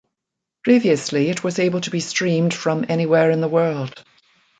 Previously it was able to be streamed from anywhere in the world.